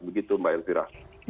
begitu mbak elvira